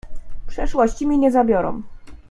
"Przeszłości mi nie zabiorą."